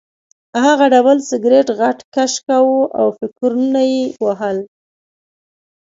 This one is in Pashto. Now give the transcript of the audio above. هغه ډبل سګرټ غټ کش کاوه او فکرونه یې وهل